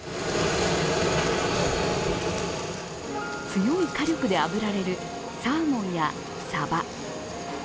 強い火力であぶられるサーモンやさば。